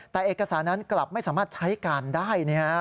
แต่เอกสารนั้นกลับไม่สามารถใช้การได้